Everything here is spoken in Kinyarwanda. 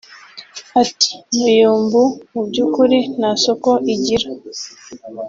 Ati "Muyumbu mu by’ukuri nta soko igira